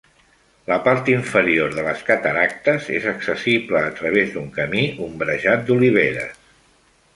La part inferior de les cataractes és accessible a través d'un camí ombrejat d'oliveres.